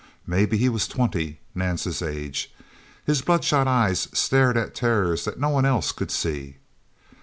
Maybe he was twenty Nance's age. His bloodshot eyes stared at terrors that no one else could see.